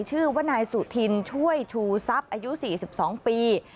ชื่อว่านายสุธินช่วยชูทรัพย์อายุ๔๒ปี